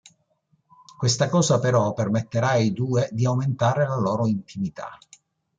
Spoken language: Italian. Questa cosa però permetterà ai due di aumentare la loro intimità.